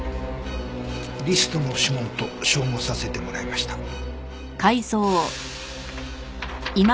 リストの指紋と照合させてもらいました。